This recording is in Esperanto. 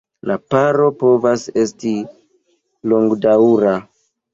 La paro povas esti longdaŭra.